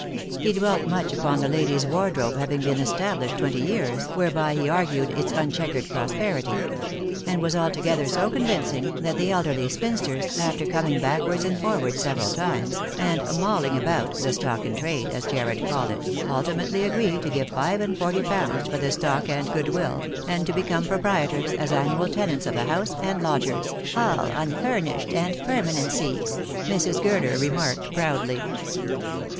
He dwelt much upon the ladies' wardrobe having been established twenty years, whereby he argued its unchequered prosperity; and was altogether so convincing, that the elderly spinsters, after coming backwards and forwards several times, and " mauling about " the stock in trade, as Jarred called it, ultimately agreed to give five and forty pounds for the stock and good will, and to become propiietors, as annual tenants, of the house and lodgers, " all unfurnished and permanencies," Mrs. Gurner re marked proudly.